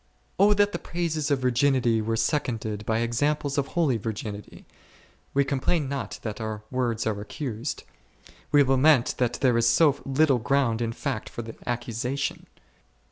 O that the praises of virginity were seconded by examples of holy virginity ! We complain not that our words are accused ; we lament that there is so little ground in fact for the accusation.